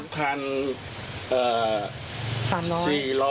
อ๋อ๒๔๐๐บาท